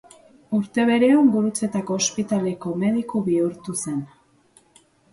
Urte berean, Gurutzetako Ospitaleko mediku bihurtu zen.